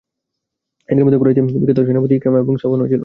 এদের মধ্যে কুরাইশদের প্রখ্যাত সেনাপতি ইকরামা এবং সফওয়ানও ছিল।